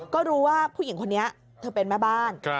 ก็รู้ว่าผู้หญิงคนนี้เธอเป็นแม่บ้าน